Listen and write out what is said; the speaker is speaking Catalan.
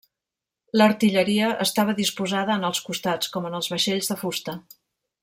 L'artilleria estava disposada en els costats, com en els vaixells de fusta.